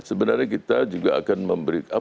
sebenarnya kita juga akan memberikan